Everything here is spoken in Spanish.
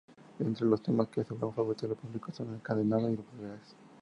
Entre los temas que se vuelven favoritos del público son: "Encadenado" y "Volverás".